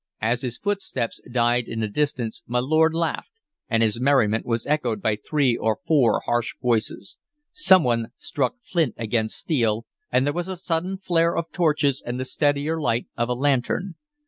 As his footsteps died in the distance my lord laughed, and his merriment was echoed by three or four harsh voices. Some one struck flint against steel, and there was a sudden flare of torches and the steadier light of a lantern.